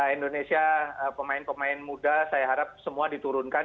indonesia pemain pemain muda saya harap semua diturunkan